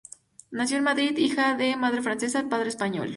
Nació en Madrid, hija de madre francesa y padre español.